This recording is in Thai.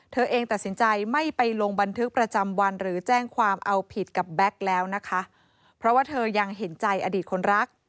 เธอเองตัดสินใจไม่ไปลงบันทึกประจำวันหรือแจ้งความเอาผิดกับแบ็คแล้วนะคะเพราะว่าเธอยังเห็นใจอดีตคนรัก